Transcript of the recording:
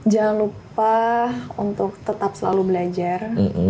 jangan lupa untuk tetap selalu belajar